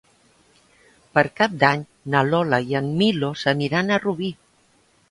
Per Cap d'Any na Lola i en Milos aniran a Rubí.